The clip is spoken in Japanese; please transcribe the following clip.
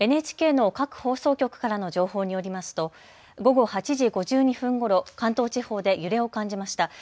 ＮＨＫの各放送局からの情報によりますと午後８時５２分ごろ、関東地方で揺れを感じました。